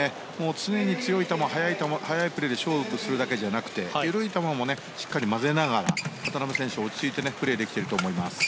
常に強い球、速いプレーで勝負するだけじゃなくて緩い球もしっかり交ぜながら渡辺選手落ち着いてプレーできていると思います。